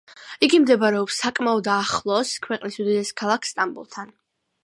იგი მდებარეობს საკმაოდ ახლოს ქვეყნის უდიდეს ქალაქ სტამბოლთან.